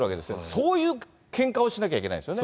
そういうけんかをしなきゃいけないですよね。